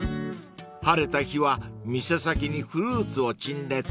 ［晴れた日は店先にフルーツを陳列］